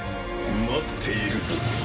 待っているぞ。